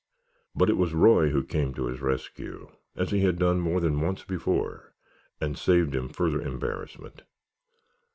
But it was Roy who came to his rescue, as he had done more than once before, and saved him further embarrassment.